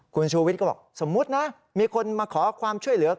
คุณชูวิทย์ก็บอกสมมุตินะมีคนมาขอความช่วยเหลือ